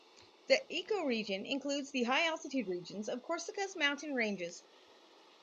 The ecoregion includes the high-altitude regions of Corsica's mountain ranges.